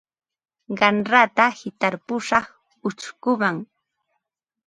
Qanrata hitarpushaq uchkuman.